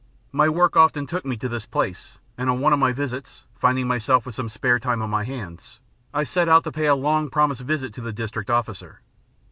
My work often took me to this place, and on one of my visits, finding myself with some spare time on my hands, I set out to pay a long promised visit to the District Officer.